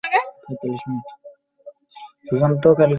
এই মহিলা আমি তোর সাথে কথা বলছি, ওরে এইটা নামিয়ে রাখতে বল।